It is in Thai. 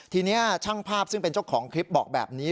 ทีนี้ช่างภาพซึ่งเป็นเจ้าของคลิปบอกแบบนี้